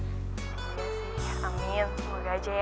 iya sih amin semoga aja ya